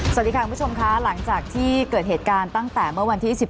สวัสดีค่ะคุณผู้ชมค่ะหลังจากที่เกิดเหตุการณ์ตั้งแต่เมื่อวันที่๑๓